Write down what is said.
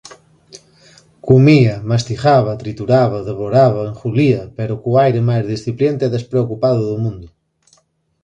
Comía, mastigaba, trituraba, devoraba, engulía, pero co aire máis displicente e despreocupado do mundo.